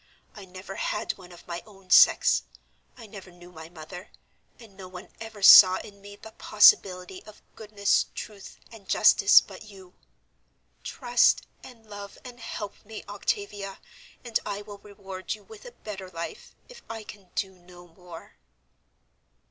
I never had one of my own sex. I never knew my mother; and no one ever saw in me the possibility of goodness, truth, and justice but you. Trust and love and help me, Octavia, and I will reward you with a better life, if I can do no more."